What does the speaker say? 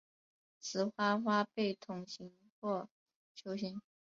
雌花花被筒形或球形。